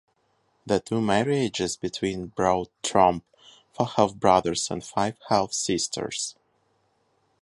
The two marriages together brought Tromp four half brothers and five half sisters.